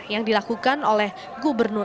yang dilakukan oleh gubernur